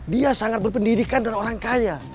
dia sangat berpendidikan dan orang kaya